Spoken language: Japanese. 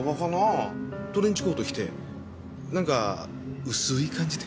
トレンチコート着てなんか薄い感じで。